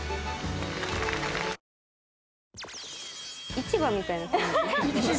市場みたいな感じ。